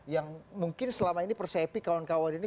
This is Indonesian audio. yang mungkin selama ini persepi kawan kawan ini